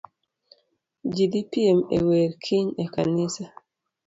Ji dhi piem e wer kiny ekanisa.